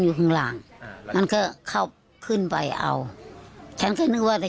อยู่ข้างล่างมันก็เข้าขึ้นไปเอาฉันก็นึกว่าแต่